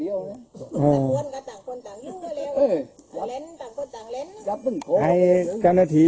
เหลืองเท้าอย่างนั้น